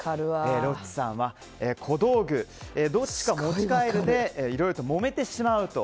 ロッチさんは小道具、どっちが持ち帰るかでいろいろともめてしまうと。